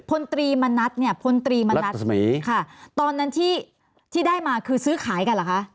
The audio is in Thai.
พลตรีมณัฐเนี่ยพลตรีมณัฐมีค่ะตอนนั้นที่ที่ได้มาคือซื้อขายกันเหรอคะ